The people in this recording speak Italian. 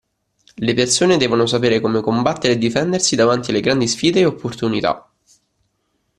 Le persone devono sapere come combattere e difendersi davanti alle grandi sfide e opportunità.